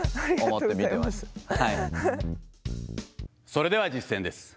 それでは実践です。